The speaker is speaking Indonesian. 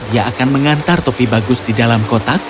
ia akan mengantar topi bagus di dalam kotak